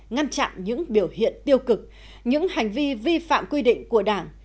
ngăn chặn những biểu hiện tiêu cực những hành vi vi phạm quy định của đảng